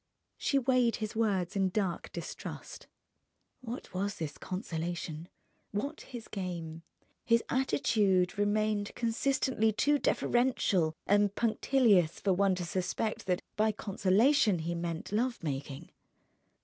She weighed his words in dark distrust. What was this consolation? What his game? His attitude remained consistently too deferential and punctilious for one to suspect that by consolation he meant love making.